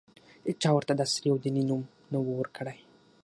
هېچا ورته د عصري او دیني نوم نه ؤ ورکړی.